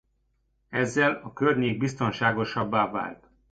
Ezzel a környék biztonságosabbá vált.